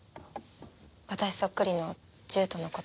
私そっくりの獣人のこと。